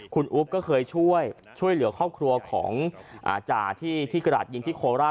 คุณอุ๊บก็เคยช่วยช่วยเหลือครอบครัวของจ่าที่กระดาษยิงที่โคราช